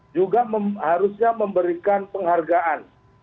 juga harusnya memberikan penghargaan